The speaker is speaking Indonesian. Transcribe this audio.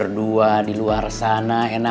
pada saat yuk buat bers miners ya